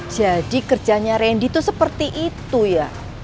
jadi kerjanya randy tuh seperti itu ya